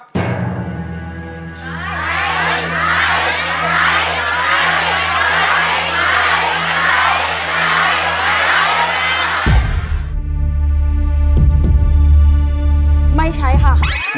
ใช้ใช้ใช้